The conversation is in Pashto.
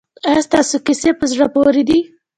ایا ستاسو کیسې په زړه پورې دي؟